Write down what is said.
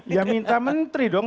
ya minta menteri dong